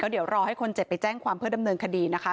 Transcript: เดี๋ยวรอให้คนเจ็บไปแจ้งความเพื่อดำเนินคดีนะคะ